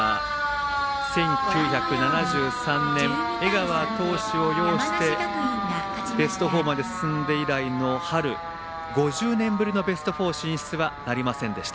作新学院は１９７３年江川投手を擁してベスト４まで進んで以来の春５０年ぶりのベスト４進出はなりませんでした。